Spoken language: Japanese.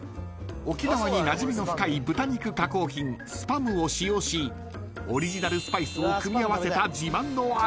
［沖縄になじみの深い豚肉加工品ＳＰＡＭを使用しオリジナルスパイスを組み合わせた自慢の味］